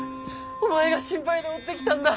お前が心配で追ってきたんだ。